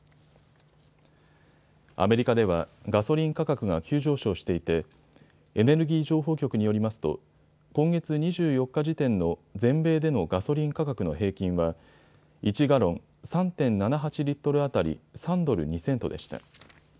アメリカではガソリン価格が急上昇していてエネルギー情報局によりますと今月２４日時点の全米でのガソリン価格の平均は１ガロン３．７８リットル当たり３ドル２セントでした。